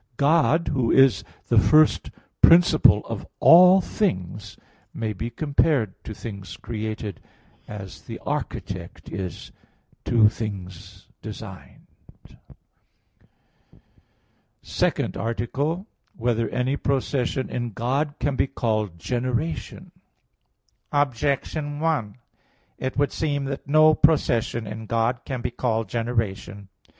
God, Who is the first principle of all things, may be compared to things created as the architect is to things designed. _______________________ SECOND ARTICLE [I, Q. 27, Art. 2] Whether Any Procession in God Can Be Called Generation? Objection 1: It would seem that no procession in God can be called generation.